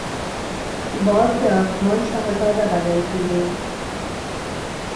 باز د آسمان شهزاده بلل کېږي